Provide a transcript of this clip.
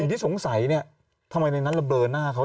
สิ่งที่สงสัยเนี่ยทำไมในนั้นเราเบอร์หน้าเขา